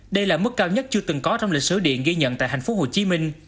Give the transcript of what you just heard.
đây là mức cao nhất chưa từng có trong lịch sử điện ghi nhận tại tp hcm